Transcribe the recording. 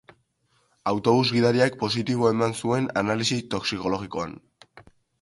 Autobus gidariak positibo eman zuen analisi toxikologikoan.